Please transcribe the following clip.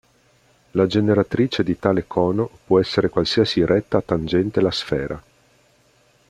La generatrice di tale cono può essere qualsiasi retta tangente la sfera.